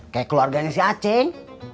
kayak keluarganya si aceh